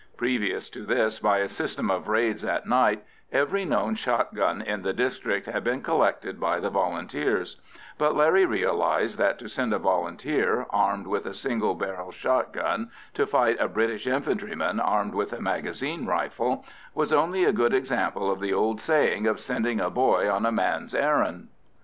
Previous to this, by a system of raids at night, every known shot gun in the district had been collected by the Volunteers; but Larry realised that to send a Volunteer, armed with a single barrel shot gun, to fight a British infantryman armed with a magazine rifle, was only a good example of the old saying of sending a boy on a man's errand.